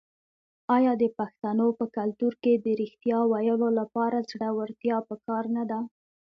آیا د پښتنو په کلتور کې د ریښتیا ویلو لپاره زړورتیا پکار نه ده؟